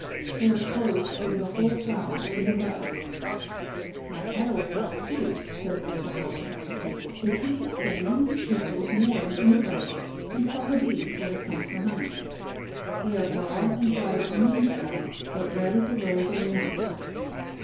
They are closed over the whole flower in the bud." *''"'''^'■"^^""^" My petals help, too," says the corolla. " They keep the stamens and pistils warm in the bud and tell the bees where to come for honey. They are broad and white on the inside, but red as a rose on the outside."